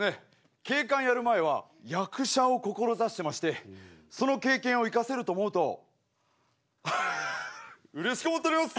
警官やる前は役者を志してましてその経験を生かせると思うとうれしく思っております！